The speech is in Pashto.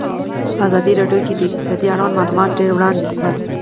په ازادي راډیو کې د اقتصاد اړوند معلومات ډېر وړاندې شوي.